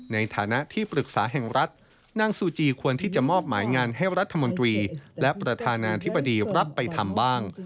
ในฐานะที่ปรึกษาแห่งรัฐนางซูจีควรที่จะมอบหมายงานให้รัฐมนตรีและประธานาธิบดีรับไปทำบ้าง